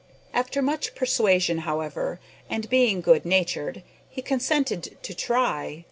After much persuasion, however, and being good natured, he consented to try.